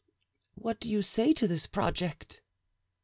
What do you say to this project?"